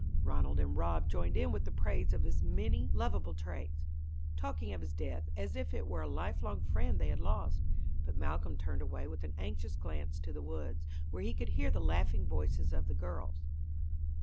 Ranald and Rob joined in with praise of his many lovable traits, talking of his death as if it were a lifelong friend they had lost; but Malcolm turned away with an anxious glance to the woods, where he could hear the laughing voices of the girls.